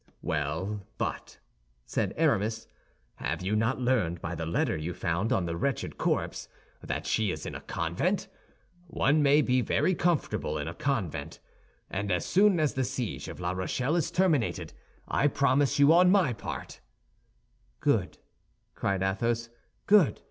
"Well, but," said Aramis, "have you not learned by the letter you found on the wretched corpse that she is in a convent? One may be very comfortable in a convent; and as soon as the siege of La Rochelle is terminated, I promise you on my part—" "Good," cried Athos, "good!